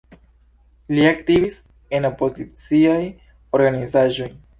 Li aktivis en opoziciaj organizaĵoj.